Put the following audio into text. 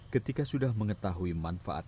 ketika sudah mengetahui manfaat